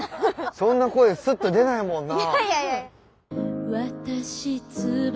そんな声すっと出ないもんな。